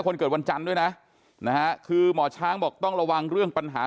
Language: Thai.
คนเกิดวันจันทร์ด้วยนะนะฮะคือหมอช้างบอกต้องระวังเรื่องปัญหา